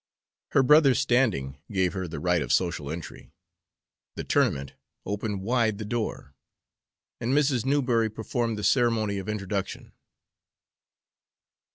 Her brother's standing gave her the right of social entry; the tournament opened wide the door, and Mrs. Newberry performed the ceremony of introduction.